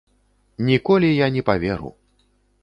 Ніколі я не паверу.